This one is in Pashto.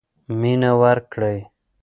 مینه ورکړئ.